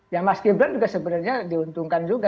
ya mas gibran juga sebenarnya diuntungkan juga